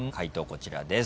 こちらです。